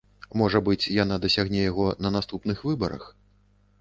Можа быць, яна дасягне яго на наступных выбарах?